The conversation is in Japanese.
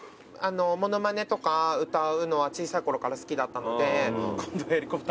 物まねとか歌うのは小さいころから好きだったので。